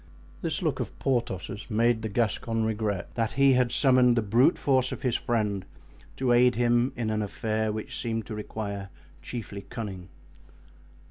This look of Porthos's made the Gascon regret that he had summoned the brute force of his friend to aid him in an affair which seemed to require chiefly cunning.